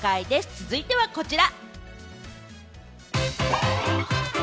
続いてはこちら。